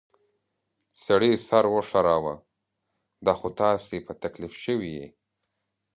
سړي سر وښوراوه: دا خو تاسې په تکلیف شوي ییۍ.